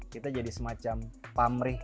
kita jadi semacam pamrih